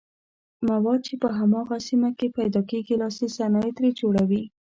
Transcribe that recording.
مواد چې په هماغه سیمه کې پیداکیږي لاسي صنایع ترې جوړوي.